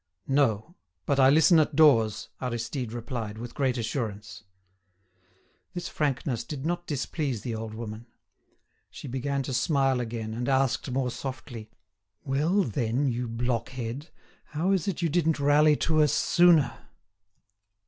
"No; but I listen at doors," Aristide replied, with great assurance. This frankness did not displease the old woman. She began to smile again, and asked more softly: "Well, then, you blockhead, how is it you didn't rally to us sooner?"